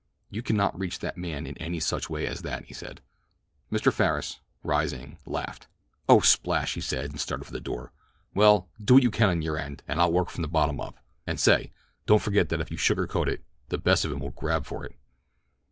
"You cannot reach that man in any such way as that," he said. Mr. Farris, rising, laughed. "Oh splash," he said, and started for the door. "Well, do what you can at your end, and I'll work from the bottom up: and say, don't forget that if you sugar coat it, the best of 'em will grab for it."